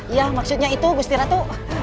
iya maksudnya itu gusti ratu